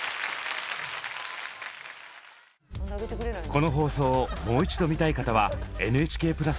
この放送をもう一度見たい方は「ＮＨＫプラス」で。